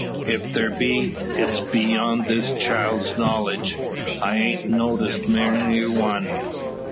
"Ef there be, it's beyont this child's knowledge. I hain't noticed neery one.